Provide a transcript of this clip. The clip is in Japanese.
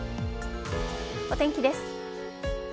お天気です。